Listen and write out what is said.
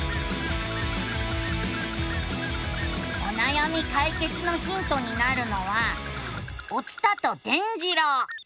おなやみかいけつのヒントになるのは「お伝と伝じろう」！